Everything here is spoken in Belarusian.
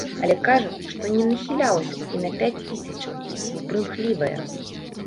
Але кажа, што не нахілілася б і па пяць тысячаў, бо прымхлівая.